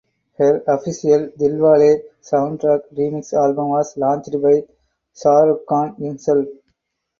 Her official Dilwale Soundtrack Remix Album was launched by Shah Rukh Khan himself.